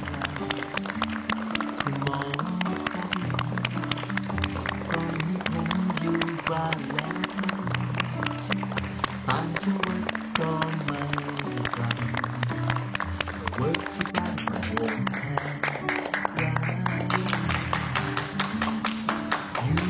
โปรดติดตามต่อไป